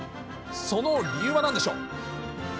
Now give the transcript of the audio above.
その理由はなんでしょう。